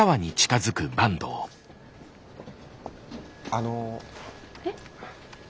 あの。えっ？